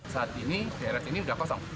saat ini drs ini sudah kosong